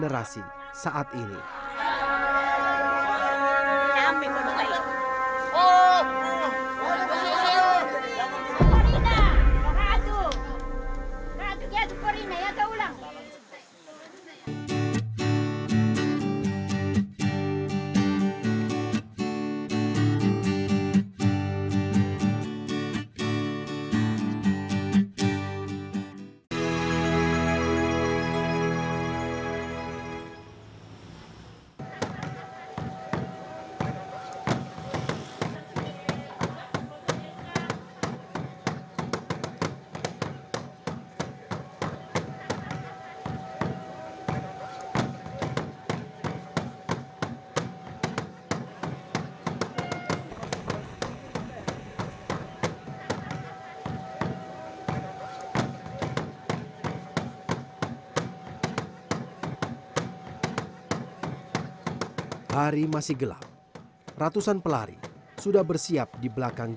ratusan pelari sudah bersiap di belakang